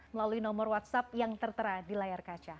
melalui nomor whatsapp yang tertera di layar kaca